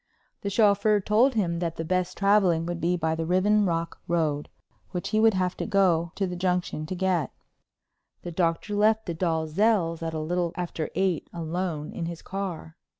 The chauffeur told him that the best traveling would be by the Riven Rock Road, which he would have to go to the Junction to get. The Doctor left the Dalzells' at a little after eight, alone in his car.